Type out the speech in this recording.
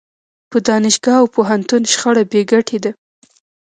په دانشګاه او پوهنتون شخړه بې ګټې ده.